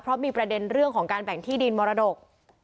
เพราะมีประเด็นเรื่องของการแบ่งที่ดินมรดก